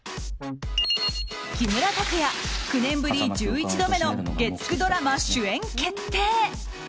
木村拓哉、９年ぶり１１度目の月９ドラマ主演決定。